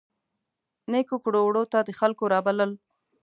نیکو کړو وړو ته د خلکو رابلل.